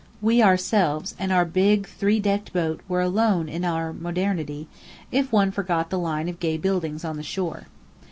We ourselves, and our big three decked boat were alone in our modernity, if one forgot the line of gay buildings on the shore.